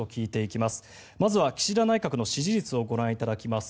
まずは岸田内閣の支持率をご覧いただきます。